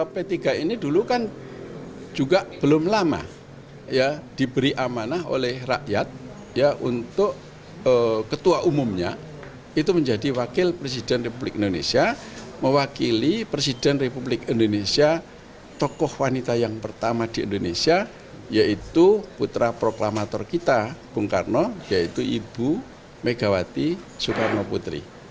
p tiga ini dulu kan juga belum lama ya diberi amanah oleh rakyat ya untuk ketua umumnya itu menjadi wakil presiden republik indonesia mewakili presiden republik indonesia tokoh wanita yang pertama di indonesia yaitu putra proklamator kita bung karno yaitu ibu megawati soekarno putri